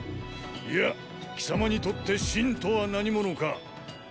いや貴様にとって信とは何者か。